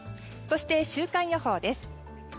そして週間予報です。